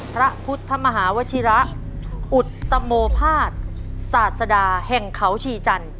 พระพุทธมหาวชิระอุตโมภาษศาสดาแห่งเขาชีจันทร์